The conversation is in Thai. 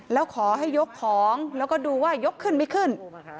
แล้วขอให้ยกของแล้วก็ดูว่ายกขึ้นไม่ขึ้น